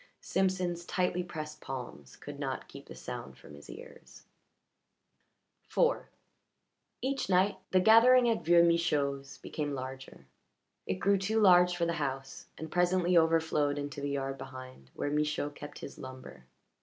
Simpson's tightly pressed palms could not keep the sound from his ears. IV Each night the gathering at Vieux Michaud's became larger; it grew too large for the house, and presently overflowed into the yard behind, where Michaud kept his lumber.